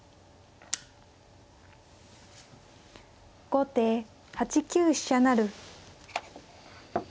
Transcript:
後手８九飛車成。